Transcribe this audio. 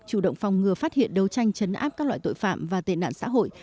chủ động phòng ngừa phát hiện đấu tranh chấn áp các loại tội phạm và tệ nạn xã hội